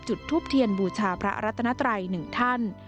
จุดทูปเทียนบูชาพระรัตนัตรัย๑ท่าน